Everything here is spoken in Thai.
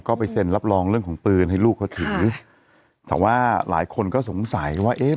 ก็ไปเซ็นรับรองเรื่องของปืนให้ลูกเขาถือแต่ว่าหลายคนก็สงสัยว่าเอ๊ะ